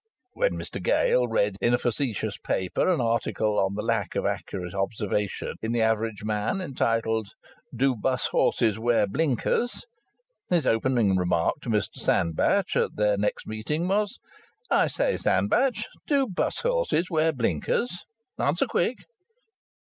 When Mr Gale read in a facetious paper an article on the lack of accurate observation in the average man, entitled, "Do 'bus horses wear blinkers?" his opening remark to Mr Sandbach at their next meeting was: "I say, Sandbach, do 'bus horses wear blinkers? Answer quick!"